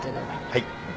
はい。